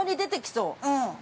◆うん。